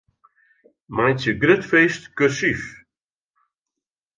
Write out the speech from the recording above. Meitsje 'grut feest' kursyf.